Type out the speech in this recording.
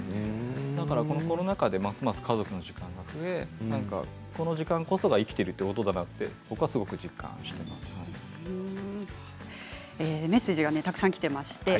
だからこのコロナ禍でますます家族との時間が増えてこの時間こそが生きていることだメッセージがたくさんきています。